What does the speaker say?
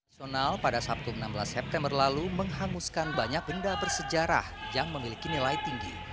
onal pada sabtu enam belas september lalu menghanguskan banyak benda bersejarah yang memiliki nilai tinggi